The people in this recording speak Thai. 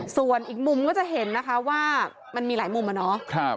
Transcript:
ส่วนอีกมุมก็จะเห็นนะคะว่ามันมีหลายมุมอะเนาะ